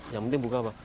yang penting buku apa